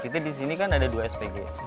kita di sini kan ada dua spg